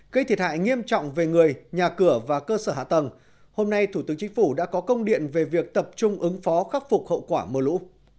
gây thiệt hại nghiêm trọng về người nhà cửa và cơ sở hạ tầng hôm nay thủ tướng chính phủ đã có công điện về việc tập trung ứng phó khắc phục hậu quả mưa lũ